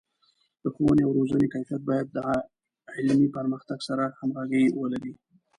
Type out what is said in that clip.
د ښوونې او روزنې کیفیت باید د علمي پرمختګ سره همغږي ولري.